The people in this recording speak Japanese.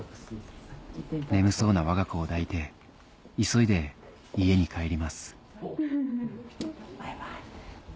眠そうな我が子を抱いて急いで家に帰ります